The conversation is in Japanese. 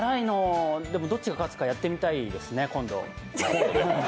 どっちが勝つかやってみたいですね、今度。